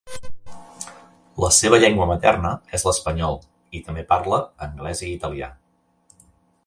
La seva llengua materna és l'espanyol i també parla anglès i italià.